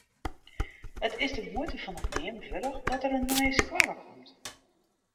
It is de muoite fan it neamen wurdich dat der in nije skoalle komt.